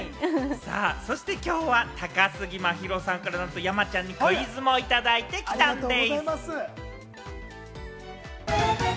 そしてきょうは高杉真宙さんから山ちゃんにクイズもいただいてきたんでぃす。